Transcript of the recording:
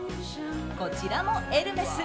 こちらもエルメス。